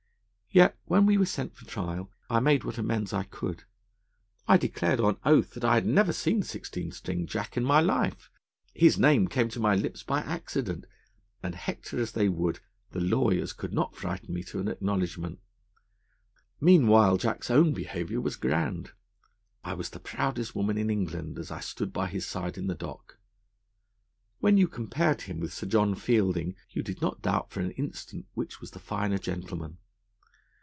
Yet, when we were sent for trial I made what amends I could. I declared on oath that I had never seen Sixteen String Jack in my life; his name came to my lips by accident; and, hector as they would, the lawyers could not frighten me to an acknowledgment. Meanwhile Jack's own behaviour was grand. I was the proudest woman in England as I stood by his side in the dock. When you compared him with Sir John Fielding, you did not doubt for an instant which was the finer gentleman.